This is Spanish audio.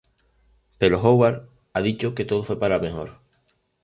Pero Howard ha dicho que todo fue para mejor.